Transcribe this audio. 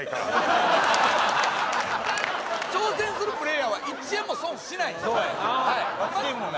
挑戦するプレイヤーは１円も損しないんですそうやな・